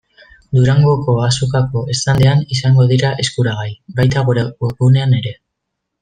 Durangoko Azokako standean izango dira eskuragai, baita gure webgunean ere.